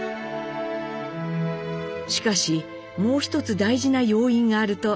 しかしもう１つ大事な要因があると